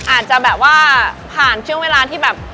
อาจจะแบบว่าผ่านช่วงเวลาที่แบบ